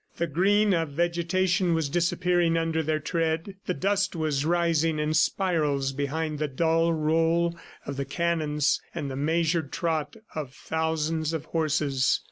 The green of vegetation was disappearing under their tread; the dust was rising in spirals behind the dull roll of the cannons and the measured trot of thousands of horses.